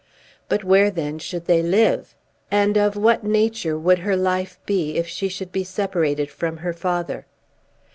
But where then should they live, and of what nature would her life be if she should be separated from her father?